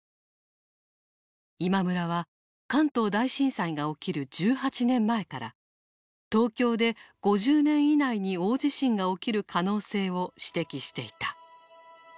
今村は関東大震災が起きる１８年前から東京で５０年以内に大地震が起きる可能性を指摘していた。